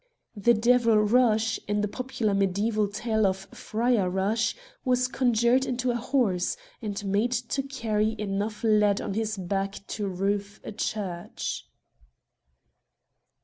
The devil Rush, in the popular mediaeval tale of Fryer Rush, was conjured into a horse, and made to carry enough lead on his back to roof a church.